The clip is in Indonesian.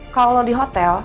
kalau lo di hotel